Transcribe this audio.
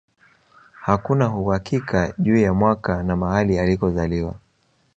Hakuna uhakika juu ya mwaka na mahali alikozaliwa